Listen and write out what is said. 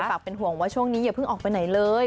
เป็นห่วงว่าช่วงนี้อย่าเพิ่งออกไปไหนเลย